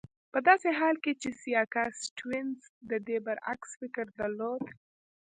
په داسې حال کې چې سیاکا سټیونز د دې برعکس فکر درلود.